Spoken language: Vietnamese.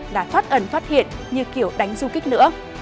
đã thoát ẩn phát hiện như kiểu đánh du kích nữa